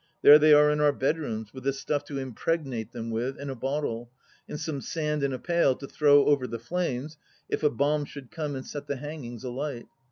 There they are in our bedrooms, with the stuff to impregnate them with in a bottle, and some sand in a pail to throw over the flames if a bomb should come and set the hangings alight.